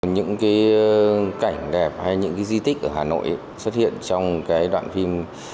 những cái cảnh đẹp hay những cái di tích ở hà nội xuất hiện trong cái đoạn phim